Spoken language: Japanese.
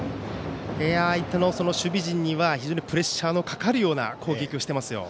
相手の守備陣には非常にプレッシャーのかかる攻撃をしていますよ。